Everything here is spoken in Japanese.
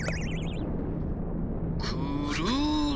くるり。